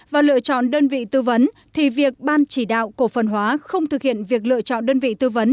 và lựa chọn đơn vị tư vấn thì việc ban chỉ đạo cổ phần hóa không thực hiện việc lựa chọn đơn vị tư vấn